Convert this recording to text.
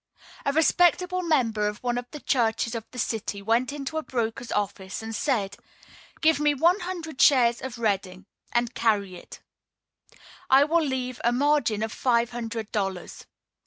A respectable member of one of the churches of the city went into a broker's office and said: "Get me one hundred shares of Reading, and carry it; I will leave a margin of five hundred dollars."